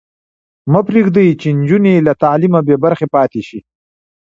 مه پرېږدئ چې نجونې له تعلیمه بې برخې پاتې شي.